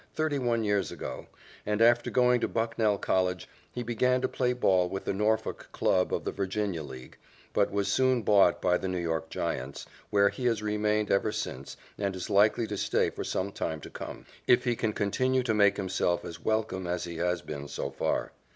thirty one years ago, and, after going to Bucknell College, he began to play ball with the Norfolk club of the Virginia League, but was soon bought by the New York Giants, where he has remained ever since and is likely to stay for some time to come, if he can continue to make himself as welcome as he has been so far.